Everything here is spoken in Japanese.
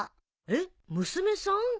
えっ娘さん？